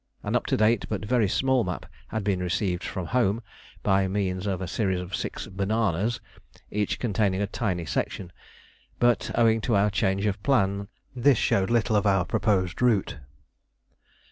An up to date but very small map had been received from home by means of a series of six "bananas," each containing a tiny section; but, owing to our change of plan, this showed little of our proposed route.